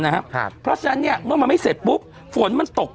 นะฮะครับเพราะฉะนั้นเนี้ยเมื่อมันไม่เสร็จปุ๊บฝนมันตก